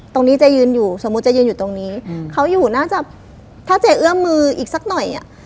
เจ๊ยืนอยู่สมมุติเจ๊ยืนอยู่ตรงนี้เขาอยู่น่าจะถ้าเจ๊เอื้อมมืออีกสักหน่อยอ่ะ